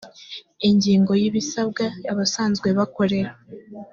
ingingo ya ibisabwa abasanzwe bakorera